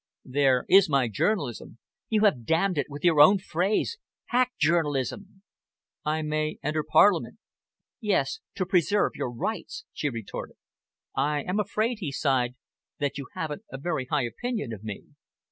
"There is my journalism." "You have damned it with your own phrase 'hack journalism'!" "I may enter Parliament." "Yes, to preserve your rights," she retorted. "I am afraid," he sighed, "that you haven't a very high opinion of me."